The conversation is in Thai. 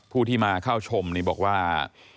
ผู้ที่มาเข้าชมนี่บอกว่า